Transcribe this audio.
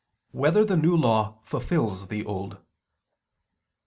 2] Whether the New Law Fulfils the Old?